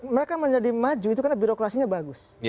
mereka menjadi maju itu karena birokrasinya bagus